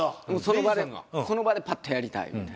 その場でパッとやりたいって。